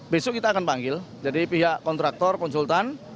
besok kita akan panggil jadi pihak kontraktor konsultan